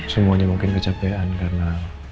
semuanya mungkin kecapean karena